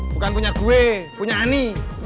bukan punya gue punya ani